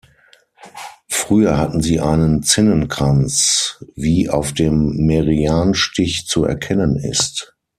Früher hatten sie einen Zinnenkranz, wie auf dem Merianstich zu erkennen ist.